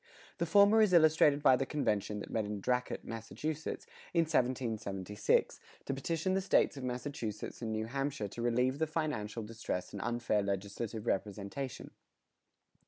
The former is illustrated by the convention that met in Dracut, Massachusetts, in 1776, to petition the States of Massachusetts and New Hampshire to relieve the financial distress and unfair legislative representation.